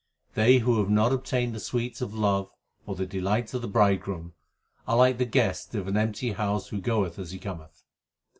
They who have not obtained the sweets of love or the delights of the Bridegroom, Are like the guest of an empty house who goeth as he cometh.